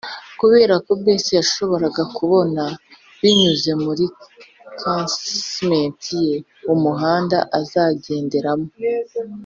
kuberako bess yashoboraga kubona, binyuze muri casement ye, umuhanda azagenderamo.